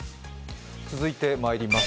続いてまいります。